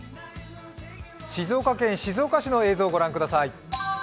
静岡県静岡市の映像を御覧ください。